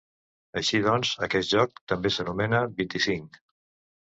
Així doncs, aquest joc també s'anomena "Vint-i-cinc".